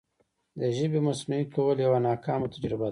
د ژبې مصنوعي کول یوه ناکامه تجربه ده.